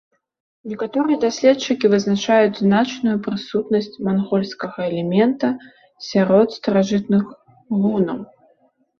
Некаторыя даследчыкі вызначаюць значную прысутнасць мангольскага элемента сярод старажытных гунаў.